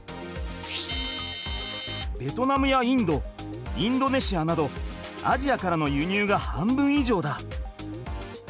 ベトナムやインドインドネシアなどアジアからの輸入が半分いじょうだ。